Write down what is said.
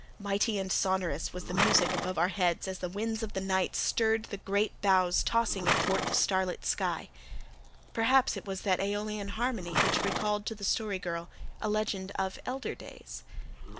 Mighty and sonorous was the music above our heads as the winds of the night stirred the great boughs tossing athwart the starlit sky. Perhaps it was that aeolian harmony which recalled to the Story Girl a legend of elder days.